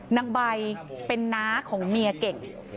นางใบเป็นน้าของเมียเก่ง